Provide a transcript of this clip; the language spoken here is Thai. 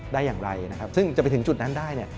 ได้อย่างไรซึ่งจะไปถึงจุดนั้นได้